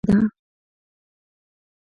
دا د نظام د غیر عادلانه چلندونو یوه ښکاره نښه ده.